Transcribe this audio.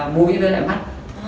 mũi với lại mắt